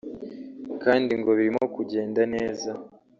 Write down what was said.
kandi ngo birimo kugenda neza